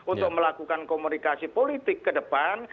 untuk melakukan komunikasi politik ke depan